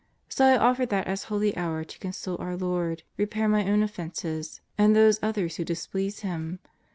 So I offer that as Holy Hour to console our Lord, repair my own offenses and those others who dis please him.